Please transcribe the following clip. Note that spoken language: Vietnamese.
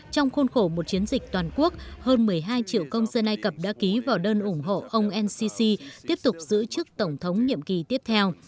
trong khuôn khổ một chiến dịch toàn quốc hơn một mươi hai triệu công dân ai cập đã ký vào đơn ủng hộ ông ncc tiếp tục giữ chức tổng thống nhiệm kỳ tiếp theo